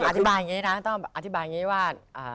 อธิบายอย่างนี้นะต้องอธิบายอย่างนี้ว่า